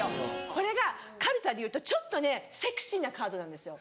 これがかるたでいうとちょっとねセクシーなカードなんですよ。